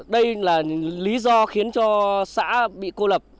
đây là lý do khiến cho xã bị cô lập